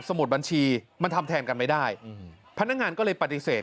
มุดบัญชีมันทำแทนกันไม่ได้อืมพนักงานก็เลยปฏิเสธ